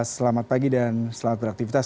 selamat pagi dan selamat beraktivitas